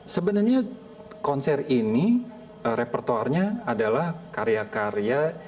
sebenarnya konser ini repertuarnya adalah karya karya